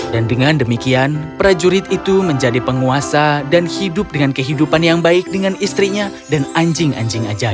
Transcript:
dan dengan demikian prajurit itu menjadi penguasa dan hidup dengan kehidupan yang baik dengan istrinya dan anjing anjing ajaib